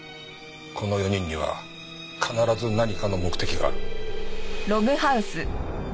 この４人には必ず何かの目的がある。